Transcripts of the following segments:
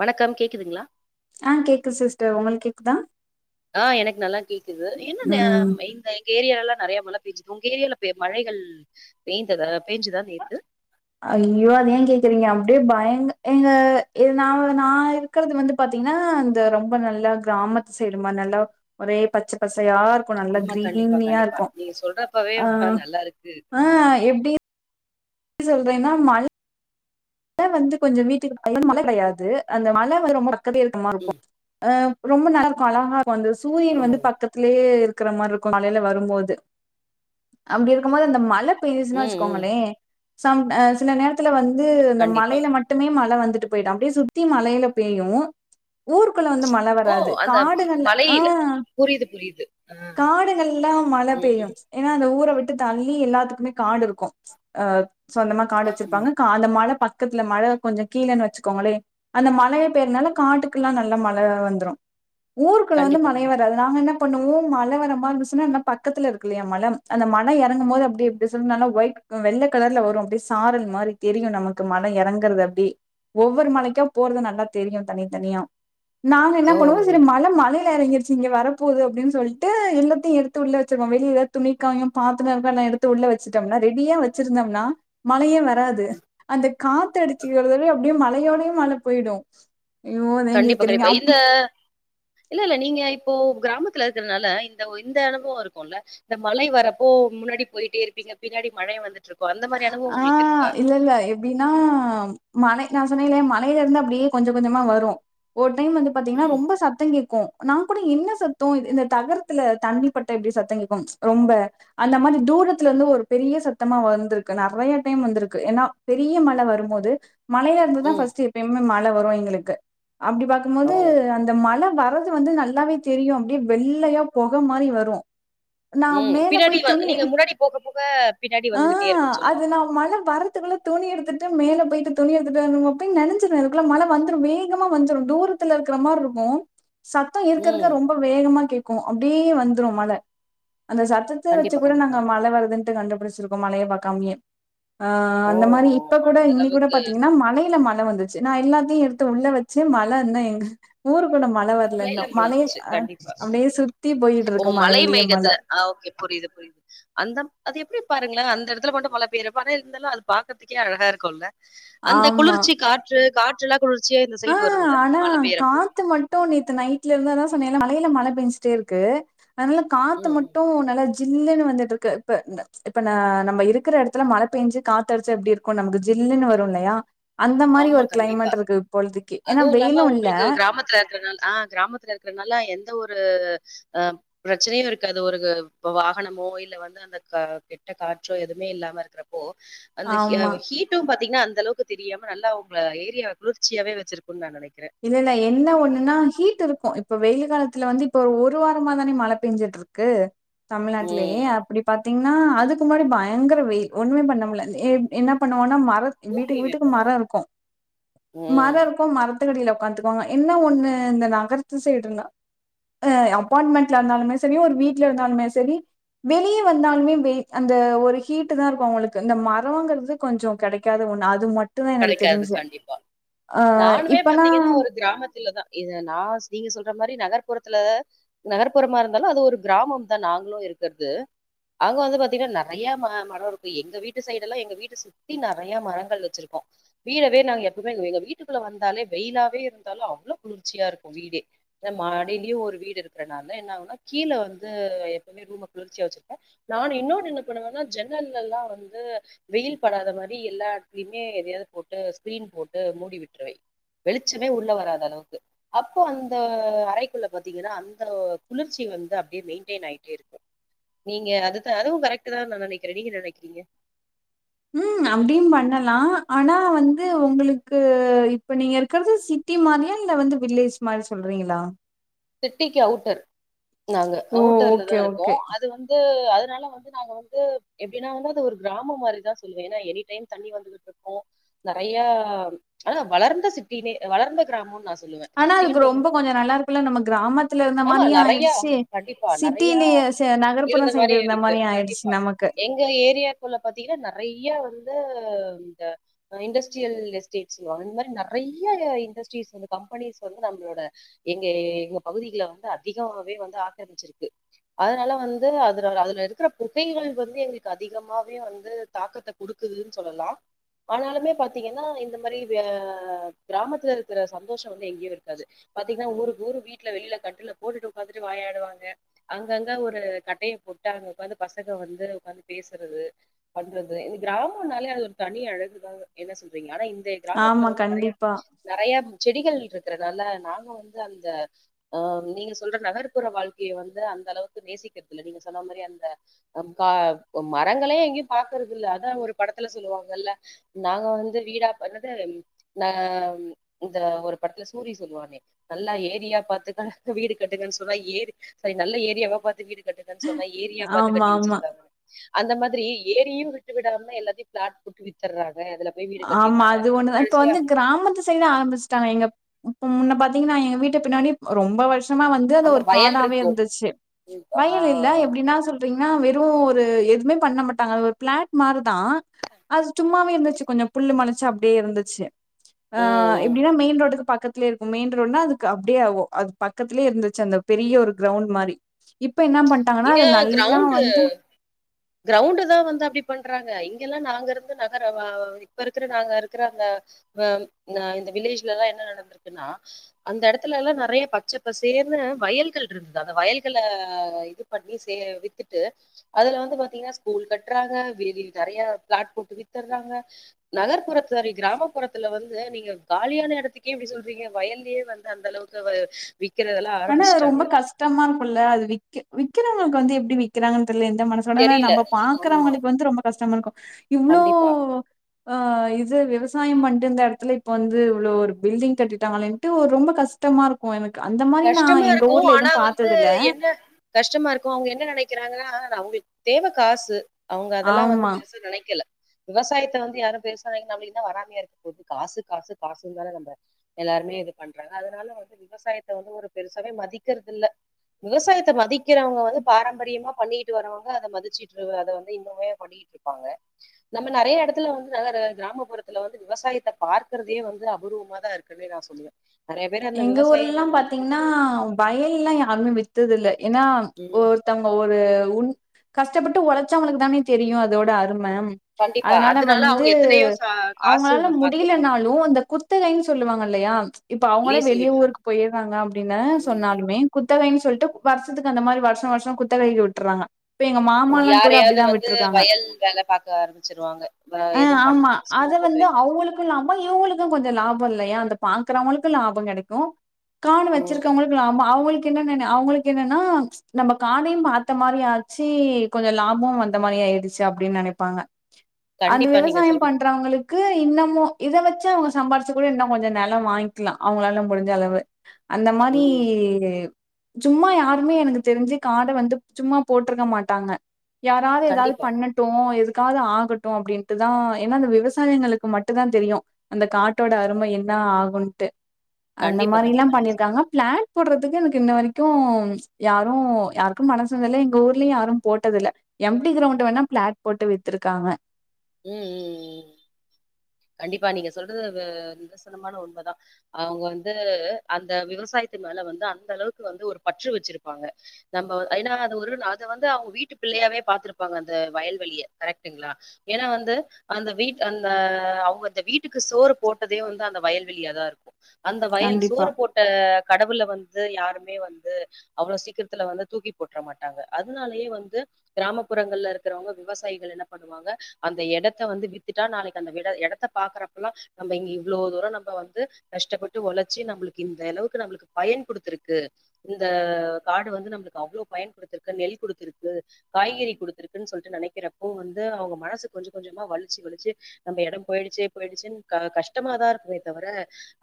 வணக்கம் கேக்குதுங்களா ஆஹ் கேக்குது சிஸ்டர் உங்களுக்கு கேக்குதா ஆஹ் எனக்கு நல்லா கேக்குது என்ன ம் எங்க ஏரியால எல்லாம் நிறைய மழ பெஞ்சுதுங்க உங்க ஏரியால் மழைகள் பெய்ந்த பெயஞ்சுதான் நேர்த்து ஐயோ அத ஏன் கேக்குறீங்க அப்படியே பயங்க எங்க ந நான் இருக்கிறது வந்து பாத்தீங்கன்னா இந்த ரொம்ப நல்லா கிராமத்து சைடு மாதிரி நல்லா ஒரே பச்சை பசை யாரு ஆமா கண்டிப்பா கண்டிப்பா நீங்க சொல்றப்பவே ஆ ஹ நல்லா இருக்கு ஆஹ் டி சொல்றன்னா மழ வந்து கொஞ்சம் வீட்டுக்குைய மழை கிடையாது அந்த மழை வந்து ரொம்ப தழுக்கமா இருக்கும் ம். அஹ ரொம்ப [unintelligible] அழகா அந்த ஓ! சூரியன் வந்து பக்கத்திலயே இருக்கு இருக்கிற மாதிரி இருக்கும் மலையில வரும்போது அப்படி இருக்கும் போது அந்த மழை இப்பதுன்னா ம், ம். வச்சுக்கோங்களே சம் ட சில நேரத்துல வந்து கண்டிப்பா. மலைல மட்டுமே மழை வந்து ட்டு போயிட்டான் அப்படியே சுத்தி மலையில பெய்யும் ஊருக்குள்ள வந்து மழை ஓ! வராது அந்த ஹி காடுகள்ல மலையில. ஆஹ் புரியுது, புரியுது. காடுகள்லாம் மழை ம், ம். பெய்யும் ஏன்னா அந்த ஊர விட்டு தள்ளி எல்லாத்துக்குமே காடு இருக்கும் அஹ் சொந்தமா காடு ஆமா. வச்சிருப்பாங்க கால மால ப பக்கத்துல மழை கொஞ்சம் கீழேன்னு வச்சுக்கோங்களே அந்த மழையை பெயறனால காட்டுக்குெல்லாம் நல்லா மழை வந்துரும் ஊர்குல்ல வந்து கண்டிப்பா, கண்டிப்பா. மழையேவராது நாங்க என்ன பண்ணுவ மழை வரமாதிருச்சுனா பக்கத்து இரு இல்ல மழை அந்த மழை இறங்கும் போது ஒயிட் வெள்ள கலர்ல வரும் சரல்மாதிரி தெரியும் நமக்கு க்கு மலை இறங்கறது அப்டி ஒவ்வொரு மலைக்கும் போறது நல்லா தெரியும் தனித்தனியா நாங்க என்ன ஓ! பண்ணுவோம் செரி மழை மழ [unintelligible] எறங்கிடுச்சி இங்க வரப்போது அப்டின்னு சொல்ட்டு எல்லாத்தையும் எடுத்து உள்ள வச்சிடுவம் வெளிய எதாது துணி காயும் பாத்திரம் இருக்க எல்லா எடுத்து உள்ள வச்சிட்டோம்னா ரெடியா வச்சிருந்தோம்னா ரெடியா வச்சிருந்தோம்னா மழைய வர் வராது அந்த காத்து அடித்துக்கத அப்படியே மழையோடயையும் மழ போயிடும் கண்டிப்பா கண்டிப்பா இந்த இல்ல இல்ல நீங்க இப்போ கிராமத்துல இருக்கிறதுனால இந்த இந்த அனுவம் இருக்கும்ல்ல இந்த மழை வரப்போ முன்னாடி போயிட்டே இருப்பீங்க பின்னாடி மழையை வந்து ஆஹ் இல்ல இல்ல எப்டின்னா மழை நான் சொன்னலேன் மலையில இருந்து அப்படியே கொஞ்சம் கொஞ்சமா வரும் ஓட்டு டைம் வந்து பாத்தீங்கன்னா ம். ரொம்ப சத்தம் கேக்கும் நங்க கூட என்ன சத்தம் இந்த தகரத்துல தண்ணிப்பட்ட எப்படி சத்தம் கேக்கும் ரொம்ப அந்த மாதிரி தூரத்துல இருந்து ஒரு பெரிய சத்தமா வந்தருக்கு நெறைய டைம் வந்திருக்கு ஏன்னா பெரிய மழை வரும்போது மலைய இருந்து தான் ம். பஸ்ட் எப்புமே ம ல்ல வரும் எங்களுக்கு அப்டி ஓ! பார்க்கும்போது அந்த மழை வ வர்றது வந்து நல்லாவே தெரியும் அப்டியே வெள்ளையா பொக மாரி வரும் உம் பின்னாடி நீங்க முன்னாடி போக போக பின்னாடி ஆ வந்துகிட்டே இருக்குன்னு சொல் அது நா மழ வர்றத்துக்குள்ள துணி எடுத்துட்டு மேல போயிட்டு துணி எடுத்துட்டு வ அப்ப நெனச்ச அதுக்கெலம் மழை வந்துரும் வேகமா வந்துரும் தூரத்துல இருக்கிறமார் இருக்கும் சத்தோ இருக்க இருக்க ம். ரொம்ப வேகமா கேட் உம் அப்டியே வந்துரும் மழ அந்த சத்தத்த வச்சு கண்டிப்பா, கூட கண்டிப்பா. நாங்க மழ வருது கண்டுபிடிச்சிருக்கும் மழய பாக்காமையே ஆஹ ஓ! அந்த மாரி இப்ப கூட அந்த இன்னி கூட அளவுக்கு பாத்தீங்கன்னா மலையில ம [unintelligible] வந்துச்சு நான் எல்லாத்தையும் எடுத்து உள்ள வச்சு மழ இருந்த எங்க ஊருக் மலயில மிளாந்துச்சு கண்டிப்பா அப்டியே சுத்தி போயிட்டு ஓ இருக்கு மலை மழையிலயே மழை. மேகத்துல ஓகே புரியுது புரியுது அந்த அது எப்டி பாருங்கள அந்த இடத்துல மழ பெய்றது இருந்தாலும் அது பாக்குறதுக்கே அழகா இருக்கும்ல்ல அந்த ஆமா. குளிர்ச்சி காற்று காற்று குளிர்ச்சியா இந்த சைடு வரும்ல மழை பெயரப்போ ட்டோ நேத்து நைட்ல இருந்தா தான் சமையலு மழையில மழ பேஞ்ட்டே இருக்கு அதனால காத்து ம் மட்டும் நல்லா ஜில்லுன்னு வந்துட்டு இருக்கு இப்ப இப்ப ந நம்ம இருக்கிற இடத்துல மழ பெஞ்சு காத்தடிச்சு எப்டி இருக்கும் நமக்கு ஜில்லுன்னு வரும் இல்லயா அந்த மாரி ஆமா ஒரு கண்டிப்பா கிளைமேட் இருக்கு இப்பொழுதைக்கு ஏன்னா அதுவும் இல்லாம வெயிலு இல்ல உங்களுக்கு கிராமத்துல இருக்கறனால ஆஹ் கிராமத்துல இருக்கறனால எந்த ஒரு ஒரு அஹ பிரச்சனையும் இருக்கு அது ஒரு வாகனமோ இல்ல வந்து அந்த கெட்ட காற்றோ எதுவுமே இல்லாம இருக்கிறப்போ அந்த ஆமா ஹீட்டு பாத் அப்டினா அந்த அளவுக்கு தெரியம் நல்ல உங்கள ஏரியாவ குளிர்ச்சியாவே வச்சிருக்கும் நா நெனக் இல்ல இல்ல என்ன ஒண்ணுன்னா ஹீட் இருக்கு இப்ப வெயில் காலத்துல வந்து இப்ப ஒரு வாரமா தானே மழை பெஞ்சுட்டு இருக்கு தமிழ்நாட்டுலயே ம் அப்டி பாத்தீங் நா அதுக்கு முன்னாடி பயங்கர வெயில் ஒண்ணுமே பண்ண முல என்ன பண்ணுவோனா மர பூமி வீட்டுக்கு வீட்டுக்கு வெப்பமா மரம் இருக்கும் மரம் ம். இருக்கும் மரத் [unintelligible] உக்காந்துக்குவாங்க என்ன ஒண்ணு இந்த நகரத்து சைடுன அபார்மெண்ட்ல இருந்தாலுமே செரி ஒரு வீட்டுல இருந்தாலுமே செரி வெளிய வந்தாலுமே அந்த ஒரு ஹீட்டு தான் இருக்கும் அவங்களுக்கு இந்த மரம்ங்கிறது கொஞ்சம் கிடைக்காத ஒண்ணு அது மட்டும் டும் தா எனக்கு கெடைக்காது தெரிஞ்ச கண்டிப்பா. ஆஹ நானுமே பாத்தீங்கன்னா ஒரு கிராமத்துல தான் இத நான் நீங்க சொல்ற மாரி நகர்புறத்துல நகர்ப்புறமா இருந்தாலும் அது ஒரு கிராமம் தான் நாங்களும் இருக்கிறது அங்க வந்து பாத்தீங்கன்னா நெறைய மரம் இருக்கும் எங்க வீட்டு சைடு லாம் எங்க வீட்ட சுத்தி நெறய மரங்கள் வச்சிருக்கோம் வீடவே நாங்க எப்பவுமே எங்க வீட்டுக்குள்ள வந்தாலே வெயிலாவே இருந்தாலும் அவ்ளோ குளிர்ச்சியா இருக்கும் வீடே மாடியிலயும் ஒரு வீடு இருக்கிறனால என்ன ஆனா கீழ வந்து எப்பவுமே ரூம குளிர்ச்சியா வச்சிருக்கேன் நானும் இன்னொன்னு என்ன பண்ணுவேன்னா ஜன்னல்ல எலாம் வந்து வெயில் படாத மாரி எல்லாடலயுமே எதையாவது போட்டு ஸ்கிரீன் போட்டு மூடி விட்டுருவேன் வெளிச்சமே உள்ள வராத அளவுக்கு அப்போ அந்த அறைக்குள்ள பாத்தீங்கன்னா அந்த குளிர்ச்சி வந்து அப்டியே மெயின்டெயின் ஆயிட்டே இருக்கும் நீங்க அது அதுவும் கரெக்ட் தான் நான் நெனக்கிறேன் நீங்க நெனக்கிறீங்க ம் அப்டியும் பண்ணலாம் ஆனா வந்து உங்களுக்கு இப்ப நீங்க இருக்கிறது சிட்டி மாரியா இல்ல வந்து வில்லேஜ் மாரி சொல்றீங்களா சிட்டிக்கு அவுட்டர் நாங்க ஓ அவுட்டர்லதா ஓகே ஓகே இருக்கோம் அது வந்து அத னால வந்து நாங்க வந்து எப்டின்னா ஊந்து ஒரு கிராமம் மாரிதா சொல்லுவேன் ஏனா எனி டைம் தண்ணி வந்துகுட்ருக்கு நறயா ஆனா வளர்ந்த சிட்டினே வளர்ந்த கிராம ஆனா அதுக்கு ரொம்ப கொஞ்ச நல்லா இரு ஆமா நெறைய கண்டிப்பா நெறைய சிட்டிலயே ச நகர்ப்புற இருந்த சைடு மாரி இருக்கு ஆயிடுச்சு கண்டிப்பா நமக்கு எங்க ஏரியாக்குள்ள பாத்தீங்கன்னா நெறைய வந் இந்த இண்டஸ்ட்ரியல் எஸ்டேட்ஸ் ந்தமாரி நிறைய இண்டஸ்ட்ரீஸ் கம்பெனிஸ் வந்து நம்மளோட எங்க ங் பகுதிகள வந்து அதிகவே வந்து ஆக்கரமிச்சிருக்கு அதனால வந்து அதுர அதுல இருக்குற புகைகள் வந்து எங்களுக்கு அதிகமாவே வந்து தாக்கத்தை கொடுக்குதுன் சொல்லலா ஆனாலுமே பாார்த்தீங்கன்னா இந்த மாரி அஅ கிராமத்துருக்குற சந்தோஷ வந்து எங்கேயு இருக்காது ட்டிக ஊருக்கூரு வீட்ல வெளில கட்டுல போட்டுட்டு உட்காந்துட்டு வாயாடுவாங்க அங்கங்க ஒரு கட்டைய போட்டு அங்க உக்காந்து பசங்க வந்து உக்காந்து பேசுறது பண்றது கிராமம்னாலே அது ஒரு தனிஅழகுதாங்க என்ன சொல்றீங்க ஆனா தே ஆமா கிராமத்துல வந்து நறய கண்டிப்பா நறய செடிகள் ட்டுக்குறனால நாங்க ந்த அந்த அ நீங்க சொல்ற நகர்ப்புற வாழ்க்கைய வந்து அந்த அளவுக்கு நேசிக்கிறது இல்ல நீங்க சொன்ன மாரி அந்த நம் கா மரங்களே எங்கியும் பாக்குறது இல்ல அதா ஒரு படத்துல சொல்லுவாங்கல்ல நாங்க வந்து வீடா பண்ணது ந இந்த ஒரு படத்துல சூரி சொல்லுவானே நல்லா ஏரியா பாத்துக வீடு கட்டுங்க சொல்வ ஏரு சர் நல்ல ஏரியாவா பாத்து வீடு கட்டுங்கன தொன்னா ஏரியா பாத்து ஆமா கட்டி ஆமா வச்சிருக்காங்க அந்த மாதிரி ஏரியும் விட்டு விடாமன எல்லத்தையு பிளாட் போட்டு வித்தரா ஆமா அது ஒண்ணு இப்ப வந்து கிராமத்து சைடு ஆரம்மிச்ட்டாங்க எங்க முன்ன பாத்தீங்கன்னா எங்க வீட்டு பின்னாடி ரொம்ப வஷ் த்தமா வந்து து ஆமா ஒரு வயல் காடாவே இருக்கும். இருந்துச்சு ஆ வயல் இல்ல எப்டினா சொல்றீங் நா வெறு ஒரு எதுமே பண்ண மட்டாங்க பிளாட் மாருதா அது சும்மாவே இருந்துச்சு கொஞ்ச புல்லு மொலச்சு அப்டே இருந்துச்சு அ ம் ம். எப்டின்னா மெயின் ரோட்டுக்கு பக்கத்லே இருக்கும் மெயின் ரோடுன அதுக்கு அப்டியே ஓ அத் பக்கத்லே இருந்துச்சு அந்த பெரிய ஒரு கிரவுண் மாரி இப் இங்க கிரவுண்டு கிரவுண்ட தா வந்து அப்படி பண்றாங்க கில்லா நாங்க இருந்து நகர வா இப்ப இருக்குற நாங்க இருக்குற அந்த வ ந்த இந்த வில்லேஜ்லலாம் என்ன நடந்துருக்குன்னா அந்த இடத்துலல்லா நெறைய பச்சப்பசேர்னு வயல்கள் இருந்து அத வயல்கள இது பட்ணி சே வித்துட்டு அதுல வந்து பாத்தீங்கனா ஸ்கூல் கட்றாங்க வெவி தரய பிளாட் போட்டு வித்துறாங்க நகர்ப்புற சரி கிராமப்புறத்துல வந்து நீங்க காலியான இடத்துக்கே இப்டி சொல்றீங்க வயல்லயே வந்து அந்த அளவுக்கு விக்கிறதெல்லாம் ஆனா ரொம்ப ஆரம்பிச்சிட்டாங்க கஷ்டமா க்குல்ல அது விக்க விக் க்கிறவங்களுக் வந்து எப்டி விக்கிராங் த்தல எந்த மனசோட தெரியல நம்ப ஆமா பாக்குறவங்களுக்கு வந்து ரொம்ப கஷ் [unintelligible] இவ்ளோ கண்டிப்பா ஆஹ் இது விவசாய பண்டுந்த எடத்துல இப்ப வந்து இவ்ளோ ஒரு பில்டிங் கட்டிடாங்களேன்ட்டு ஒர் ரொம்ப கஷ்டமா இருக்கு எனக்கு அந்த மாரி நா கஷ்டமா எங்க இருக்கு ஊர்ல ஆனா எதுவும் வந்து பாத்ததில்ல என்ன கஷ்டமா இருக்கு அவுங்க என்ன நெனக்கிறாங்க அ அ அவுங்குள் தேவ காசு அவுங்க அதல்லா வந்து ஆமா பெருசா நெனக்கல விவசாயத்த வந்து யாரு பெஸ்சா நெனக்கமேயிந்தா வராமையே இருந்து போது காசு காசு காசு வராதம்ப எல்லாருமே இது பண்றாங்க அதனால வந்து விவசாய த வுந்து ஒரு பெருசாவே மதிக்கறுதுள்ள விவசாயத்த மதிக்கிறவங்க வந்து பாரம்பரியமா பண்ணிட்டு வரறவங்க அத மதிச்சிட்டுரு அத வந்து இன்னுமே பண்ணிட்டு இருப்பாங்க நம்ப நறய எடத்துல வந்து நல்லர கிராமப்புறத்துல வந்து விவசாயத்த பார்க்கறதையே வந்து அபூர்வமாதா இருக்குன்னு நா சொல்லுவே நறய பேரு அந்த விவசாய பண்ண த்தீங்கன்னா வயல்லாம் யாருமே வித்தது இல்ல ஏன்னா உம் ஒருத்தங்க ஒரு உன் கஷ்டப்பட்டு ஒழைச்சவங்களுக்கு தானே தெரியும் அதோட அருமை மேம் கண்டிப்பா அதனால வந்து அவங்க எத்தனையோ சா- காசு அவங்களால பாத்துருப்பாங்க முடியலனாலும் அந்த குத்தகைன்னு சொல்லுவாங்க இல்லையா இப் லீஸுக்கு ஒனேவெளி விட்டுறாங்க ஊருக்கு போயிருக்காங்க அப்டின்னு சொன்னாலுமே குத் குத்தகைன்னனு சொல்லிட்டு வருசத்துக்கு அந்த மாதிரி வருசம்-வருசம் குத்தகை விட்டுறாங்க இப்ப எங்க ஓ, மாம எல்லாம் கூட யாரையாவது அப்டிதான் வந்து விட்டுருக்காங்க வயல் வேலை பார்க்க ஆரம்பிச்சிருவாங்க வ- ஹா எதுவும் பண்ண ஆமா அது அத சும்மா போட்டு வந்து வைக்க அவுங்களுக்கும் லாபம் இவுங்களுக்கும் கொஞ்சம லாபம் இல்லயா பாக்குறவன் லாபம் கெடைக்கு காணு ம். வச்சிருக்கவங்களுக்கு லாப அவுங்களுக்கு கின்ன என்ன அவுங்களுக்கு என்னன்னா நம்ம காதையும் பாத்த மாதிரிய ஆச்சு கொஞ்ச லாபமம் அந்த மாதிரி ஆயிடுச்சு அப்டின்னு நனைப்பாங்க அது கண்டிப்பா நீங்க விவசாயம் சொல்றது பண்றவங்களு க்கு இன்னமும் இத வச்சு அவுங்க சம்பாிச்சு கூட இன்னும் கொஞ்ச நிலம் வாங்கி லாம் அவுங்களா முடிஞ்சளவு அந்த மாரி ம். சும்மா யாருமே எனக்கு தெரிஞ்சு காடை வந்து சும்மா போட்ருக்க மாட்டாங்க யாராவது ஏதாவது கண்டிப்பா பண்ணட்டும் எது கா ஆகட்டும் அப்டின்ட்டுதான் ஏனா அந்த விவசாயங்களுக்கு மட்டும் தான் தெரியும் அந்த காட்டோட அருமை என்ன ஆகுன்னு அந்த கண்டிப்பா கண்டிப்பா மாரில்லாம் நீங்க சொல்றது பண்ணிருக்காங்க பிளான் போடுறதுக்கு எனக்கு இன்ன வரைக்கும் யாரும் யாருக்கும் மனசு இல்ல எங்க ஊர்லயும் யாரும் போட்டத இல்ல எம்டி கிரவுண்ட் வேணா பிளாட் போட்டு வித்துருக்காங்க உம்-உம்-உம் ப்பா நீங்க சொல்றது நிதர்சனமான உண்ம தான் அவுங்க வந்து அந்த விவசாயத்து மேல வந்து அந்த அளவுக்கு வந்து ஒரு பற்று வச்சிருப்பாங்க நம்ம ஏன்னா அது ஒரு அத வந்து அவுங்க வீட்டு பிள்ளையாவே பா்த்திருப்பாங்க அந்த வயல்வெளிய கரெக்டுங்களா ஏனா வந்து அந்த வீட அந்த அவுங்க அந்த வீட்டுக்கு சோறு போட்டதே வந்து அந்த வயல்வெளியா தான் இருக்கும் அந்த வயல் கண்டிப்பா. சோறு போட்ட கடவுல வந்து யாருமே வந்து அவ்ளவு சீக்கிரத்துல வந்து தூக்கிப் போட்ர மாட்டாங்க அதனாலயே வந்து கிராமப்புறங்கள்ல இருக்கிறவங்க விவசாயிகள் என்ன பண்ணுவாங்க அந்த எடத்த வந்து வித்துட்டா நாளைக்கு அந்த இடத்த பாக்குறப்பல்லா நம்ம இங்க இவ்ளவு தூரம் நம்ம வந்து கஷ்டப்பட்டு ஒழச்சு நம்மளுக்கு இந்த அளவுக்கு நம்மளுக்கு பயன் கொடுத்திருக்கு இந்த காடு வந்து நம்மளுக்கு அவ்ளவு பயன் கொடுத்திருக்கு நெல் குடுத்துருக்கு காய்கறி குடுத்துருக்குன்னு சொல்லிட்டு நெனைக்கிறப்போ வந்து அவுங்க மனசு கொஞ்ச கொஞ்சமா வலிச்சு-வலிச்சு நம்ம இடம் போயிடுச்சே-போயிடுச்சுன்னு கஷ்டமா தான் இருக்குமே தவிர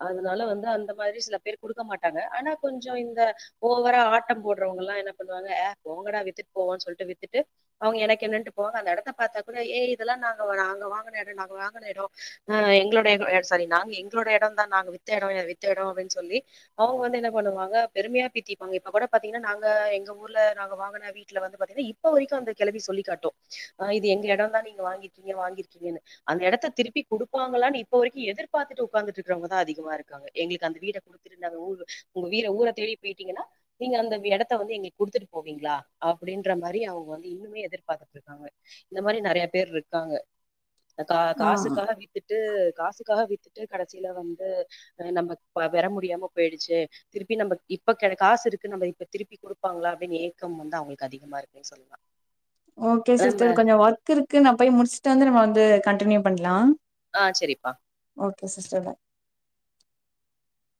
அதனால வந்து அந்த மாதிரி சில பேர் கொடுக்க மாட்டாங்க ஆனா கொஞ்ச இந்த ஓவரா ஆட்டம் போடுறவங்கயெல்லா என்ன பண்ணுவாங்க ஏ போங்கடா வித்துட்டு போவான்னு சொல்லிட்டு வித்துட்டு அவுங்க எனக்கு என்னன்னட்டு போவாங்க அந்த இடத்த பாத்தா கூட ஏ இதெல்லாம் நாங்கங்க வாங்குன எடோ நாங்க வாங்கின இடம் ஹ எங்களோட இடம் சாரி நாங்க எங்களோட இடம் தான் நாங்க வித்த இடம்-வித்த இடம் அப்டின்னு சொல்லி அவுங்க வந்து என்ன பண்ணுவாங்க பெருமையா பிரித்திப்பாங்க இப்ப கூட பாத்தீங்கன்னா நாங்க எங்க ஊர்ல நாங்க வாங்கின வீட்டுல வந்து பாத்தீங்கன்னா இப்ப வரைக்கும் அந்த கிளவி சொல்லிக்க காட்டும் ஹா இது எங்க இடம் தான் நீங்க வாங்கிருக்கீங்க வாங்கிருக்கீங்கன்னு அந்த எடத்த திருப்பி குடுப்பாங்களான்னு இப்ப வரைக்கும் எதிர்பார்த்துட்டு உட்காந்துட்டுக்கறவங்கதான் அதிகமா இருக்காங்க எங்களுக்கு அந்த வீட குடுத்துந்தங்க ஊரு உங்க வீட ஊரை தேடி போயிட்டீங்கன்னா நீங்க அந்த இடத்த வந்து எங்களுக்கு குடுத்துட்டு போவீங்களா அப்டின்ற மாரி அவுங்க வந்து இன்னுமே எதிர்பாத்துட்டு இருக்காங்க இந்த மாதிரி நறைய பேர்ருக்காங்க கா ஆ காசுக்காக வீத்துட்டு காசுக்காக வீத் ட்டு கடைசியில வந்து நம்ம பெற முடியாம போயிடுச்சு திருப்பி நம்ம இப்ப க காசு இருக்கு நம்ம இப்ப திருப்பி கொடுப்பாங்களா அப்படின்னு ஏக்கம் வந்து அவுங்களுக்கு அதிகமா இருக்குன்னு சொல்லுவாம் ஓகே சிஸ்டர் கொஞ்சோ ஒர்க் இருக்கு நா போய் முடிச்சுட்டு வந்து நம்ம வந்து கண்டினியூ பண்ணலாம் ஹா செரிப்பா ஓகே சிஸ்டர்